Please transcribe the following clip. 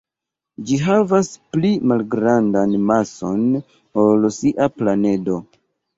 Ĝi havas pli malgrandan mason ol sia planedo.